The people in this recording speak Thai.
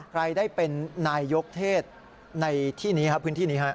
ใครได้เป็นนายยกเทศในพื้นที่นี้ครับ